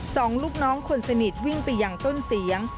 สองลูกน้องคนสนิทวิ่งไปอย่างต้นเสียง